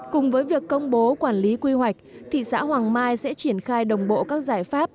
cùng với việc công bố quản lý quy hoạch thị xã hoàng mai sẽ triển khai đồng bộ các giải pháp